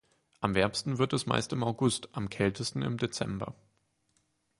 Am wärmsten wird es meist im August, am kältesten im Dezember.